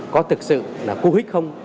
có thực sự là cú hích không